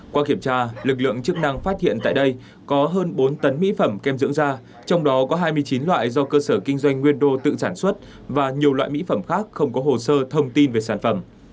qua kiểm tra lực lượng chức năng phát hiện tại đây có hơn bốn tấn mỹ phẩm kem dưỡng da trong đó có hai mươi chín loại do cơ sở kinh doanh nguyên đô tự sản xuất và nhiều loại mỹ phẩm khác không có hồ sơ thông tin về sản phẩm